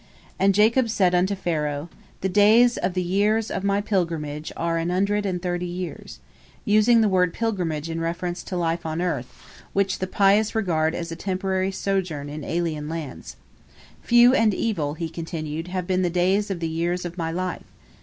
And Jacob said unto Pharaoh, "The days of the years of my pilgrimage are an hundred and thirty years," using the word pilgrimage in reference to life on earth, which the pious regard as a temporary sojourn in alien lands. "Few and evil," he continued, "have been the days of the years of my life.